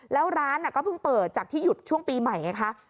แล้วร้านก็เพิ่งเปิดจากที่หยุดช่วงปีใหม่ไงคะ